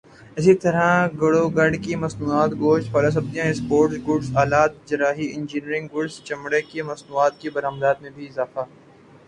اسی طرح گڑ و گڑ کی مصنوعات گوشت پھل وسبزیوں اسپورٹس گڈز آلات جراحی انجینئرنگ گڈز چمڑے کی مصنوعات کی برآمدات میں بھی اضافہ ہوا